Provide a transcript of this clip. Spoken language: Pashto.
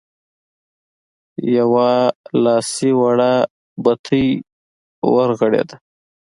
يوه لاسي وړه بتۍ ورغړېده.